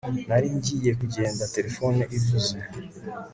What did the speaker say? Nari ngiye kugenda telefone ivuze